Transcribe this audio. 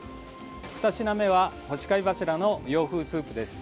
２品目は干し貝柱の洋風スープです。